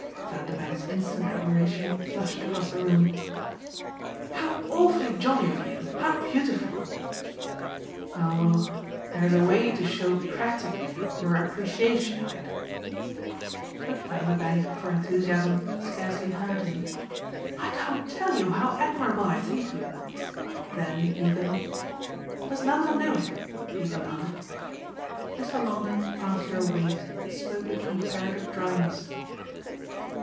Vanderbank's instant admiration flushed across the room. "How awfully jolly of you how beautiful!" "Oh there's a way to show practically your appreciation of it." But Vanderbank, for enthusiasm, scarcely heard him. "I can't tell you how admirable I think you." Then eagerly, "Does Nanda know it?" he demanded. Mr. Longdon, after a wait, spoke with comparative dryness.